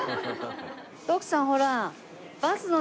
徳さんほら。